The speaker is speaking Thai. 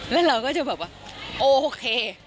แล้วเราก็จะแบบว่าโอเค